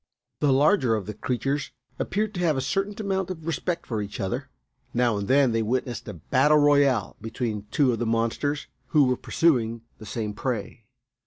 The larger of the creatures appeared to have a certain amount of respect for each other. Now and then they witnessed a battle royal between two of the monsters who were pursuing the same prey.